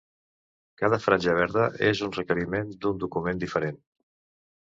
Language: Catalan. Cada franja verda és un requeriment d'un document diferent.